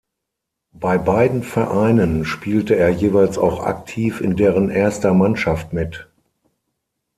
Bei beiden Vereinen spielte er jeweils auch aktiv in deren erster Mannschaft mit.